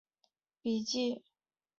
日记是以日期为排列顺序的笔记。